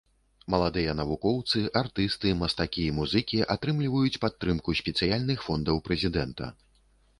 Маладыя навукоўцы, артысты, мастакі і музыкі атрымліваюць падтрымку спецыяльных фондаў прэзідэнта.